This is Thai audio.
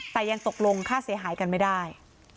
แต่ยังตกลงค่าเสียหายกันไม่ได้